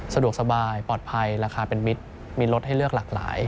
สะดวกสบายปลอดภัยราคาเป็นมิตรมีรถให้เลือกหลากหลาย